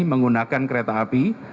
menggunakan kereta api